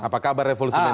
apa kabar revolusi mental